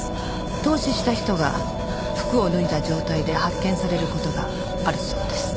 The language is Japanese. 凍死した人が服を脱いだ状態で発見される事があるそうです。